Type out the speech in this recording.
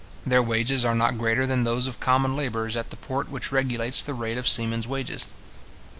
Their wages are not greater than those of common labourers at the port which regulates the rate of seamen's wages.